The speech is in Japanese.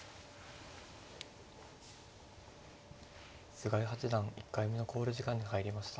菅井八段１回目の考慮時間に入りました。